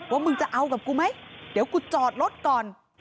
ว่ามึงจะเอากับกูไหมเดี๋ยวกูจอดรถก่อน